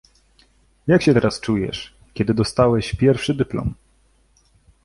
Jak się teraz czujesz, kiedy dostałeś pierwszy dyplom?